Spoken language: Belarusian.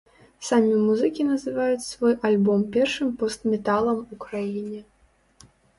Самі музыкі называюць свой альбом першым пост-металам у краіне.